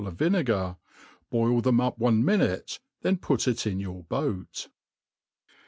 of vinegar) boil them ap on« minoce, then pttt it in your boat.